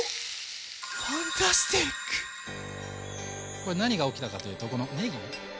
これ何が起きたかというとこのねぎね。